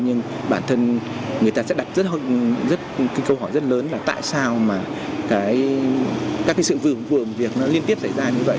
nhưng bản thân người ta sẽ đặt câu hỏi rất lớn là tại sao mà các sự vườn việc liên tiếp xảy ra như vậy